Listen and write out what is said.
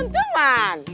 wow pita gelombang